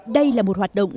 đây là một hoạt động